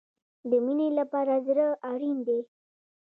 د مینې لپاره زړه اړین دی